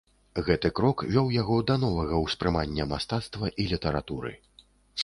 Гэты крок вёў яго да новага ўспрымання мастацтва і літаратуры.